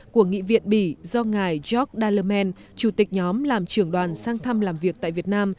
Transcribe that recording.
của nghị viện bỉ do ngài jock dallerman chủ tịch nhóm làm trưởng đoàn sang thăm làm việc tại việt nam